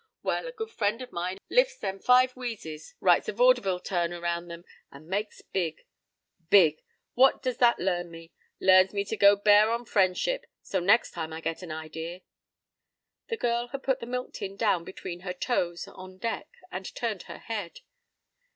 Well, a good friend o' mine lifts them five wheezes, writes a vaudeville turn around 'em, and makes big. Big! What does that learn me? Learns me to go bear on friendship. So next time I get an idea—" The girl had put the milk tin down between her toes on deck and turned her head.